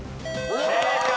正解。